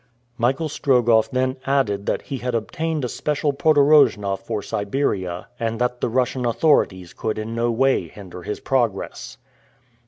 Michael Strogoff then added that he had obtained a special podorojna for Siberia, and that the Russian authorities could in no way hinder his progress.